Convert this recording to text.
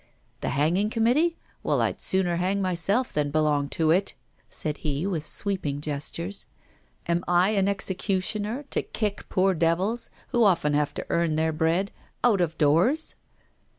'The hanging committee? Well, I'd sooner hang myself than belong to it!' said he, with sweeping gestures. 'Am I an executioner to kick poor devils, who often have to earn their bread, out of doors?